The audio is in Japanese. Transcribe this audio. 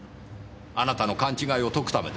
あなたの勘違いを解くためです。